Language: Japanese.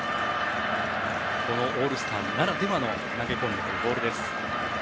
オールスターならではの投げ込んでくるボールです。